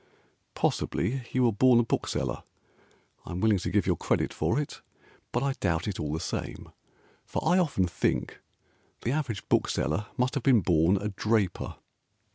Possibly you were born a bookseller. I am willing to give your credit for it, But I doubt it all the same, For I often think the average bookseller Must have been born a draper.